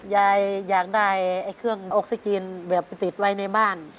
ยายอยากได้เครื่องออกซิเจนแบบไปติดไว้ในบ้าน